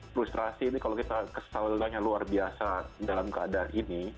frustrasi ini kalau kita kesalinannya luar biasa dalam keadaan ini